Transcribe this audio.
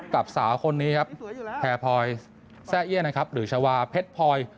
กับสาวคนนี้ครับแพรพลอยแซ่เอี้ยนะครับหรือชาวาเพชรพลอย